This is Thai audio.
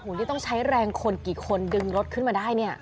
นี่ต้องใช้แรงคนกี่คนดึงรถขึ้นมาได้เนี่ย